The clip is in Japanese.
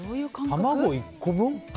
卵１個分？